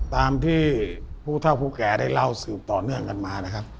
ตามที่ผู้เท่าผู้แก่ได้เล่าสืบต่อเนื่องกันมานะครับ